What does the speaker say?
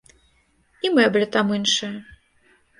І мэбля там іншая.